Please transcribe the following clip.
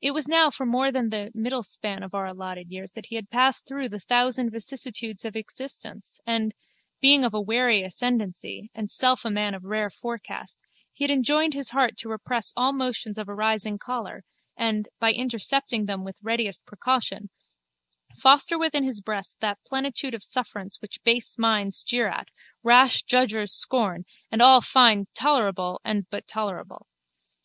It was now for more than the middle span of our allotted years that he had passed through the thousand vicissitudes of existence and, being of a wary ascendancy and self a man of rare forecast, he had enjoined his heart to repress all motions of a rising choler and, by intercepting them with the readiest precaution, foster within his breast that plenitude of sufferance which base minds jeer at, rash judgers scorn and all find tolerable and but tolerable.